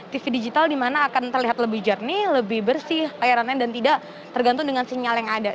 tv digital di mana akan terlihat lebih jernih lebih bersih layanannya dan tidak tergantung dengan sinyal yang ada